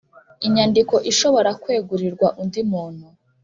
Inyandiko ishobora kwegurirwa undi muntu